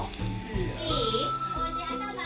いい？